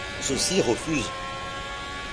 Ceux-ci refusent.